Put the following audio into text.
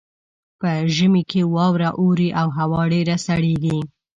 په ژمي کې واوره اوري او هوا ډیره سړیږي